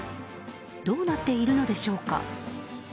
どうなっているのでしょうか？